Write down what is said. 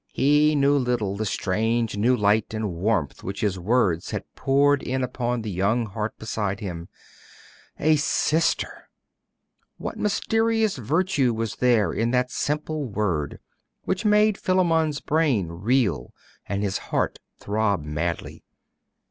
He little knew the strange new light and warmth which his words had poured in upon the young heart beside him. 'A sister!' What mysterious virtue was there in that simple word, which made Philammon's brain reel and his heart throb madly?